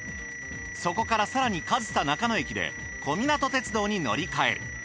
そこから更に上総中野駅で小湊鉄道に乗り換える。